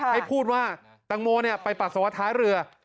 ให้พูดว่าตังโมนี่ไปปรัสสวท้าเรือ